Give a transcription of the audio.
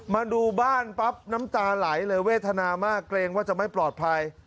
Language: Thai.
มาดูบ้านปั๊บน้ำตาไหลเลยเวทนามากเกรงว่าจะไม่ปลอดภัย